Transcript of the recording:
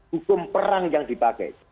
hukum perang yang dipakai